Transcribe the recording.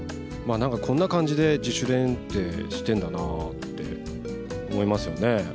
なんかこんな感じで、自主練ってしてんだなって思いますよね。